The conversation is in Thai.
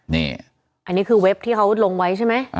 นี่อันนี้คือเว็บที่เขาลงไว้ใช่ไหม